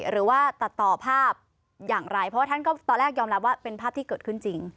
หรือว่าตัดต่อภาพอย่างไรเพราะว่าท่านก็ตอนแรกยอมรับว่าเป็นภาพที่เกิดขึ้นจริง